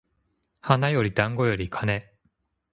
花より団子より金